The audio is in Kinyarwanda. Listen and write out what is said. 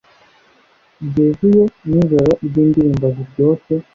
byuzuyeNijoro ryindirimbo ziryoshye